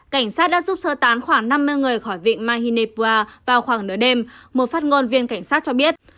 cảnh sát đã giúp sơ tán khoảng năm mươi người khỏi vịnh mahinebra vào khoảng nửa đêm một phát ngôn viên cảnh sát cho biết